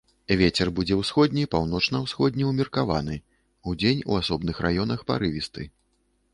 Вецер будзе ўсходні, паўночна-ўсходні ўмеркаваны, удзень у асобных раёнах парывісты.